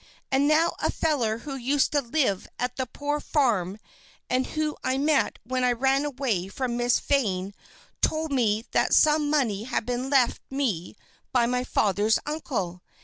And now a feller who used to live at the poor farm and who I met when I ran away from Miss Vane told me that some money had been left me by my father's uncle.